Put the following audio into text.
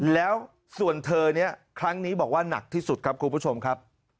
แล้วส่วนเธอเนี่ยครั้งนี้บอกว่าหนักที่สุดครับคุณผู้ชมครับ